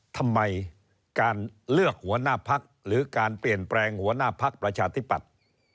ทำไมการเลือกหัวหน้าพักหรือการเปลี่ยนแปลงหัวหน้าพักประชาธิปัตย์